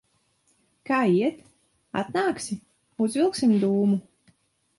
Kā iet? Atnāksi, uzvilksim dūmu?